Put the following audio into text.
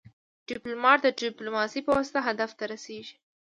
ډيپلومات د ډيپلوماسي پواسطه هدف ته رسیږي.